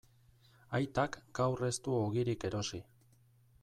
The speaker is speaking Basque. Aitak gaur ez du ogirik erosi.